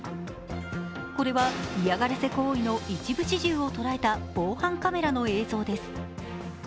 これは嫌がらせ行為の一部始終をとらえた防犯カメラの映像です。